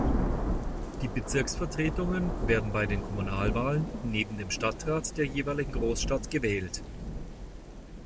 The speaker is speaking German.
Die Bezirksvertretungen werden bei den Kommunalwahlen neben dem Stadtrat der jeweiligen Großstadt gewählt.